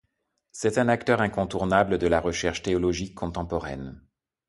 C'est un acteur incontournable de la recherche théologique contemporaine.